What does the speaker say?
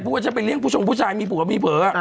พูดว่าจะไปเลี้ยงชงผู้ชายมีปวดมีเผลอ